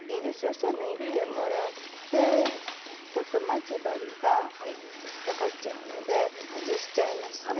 そしたら抜いてもらってちょっと待ち針が引っ掛かっちゃうので外しちゃいますね。